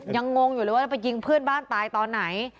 งงอยู่เลยว่าจะไปยิงเพื่อนบ้านตายตอนไหน